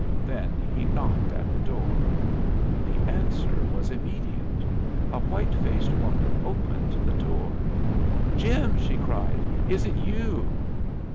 Then he knocked at the door. The answer was immediate. A white faced woman opened the door. "Jim!" she cried. "Is it you?"